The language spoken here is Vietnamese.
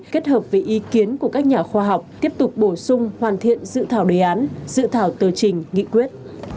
kết hợp với ý kiến của các nhà khoa học tiếp tục bổ sung hoàn thiện dự thảo đề án dự thảo tờ trình nghị quyết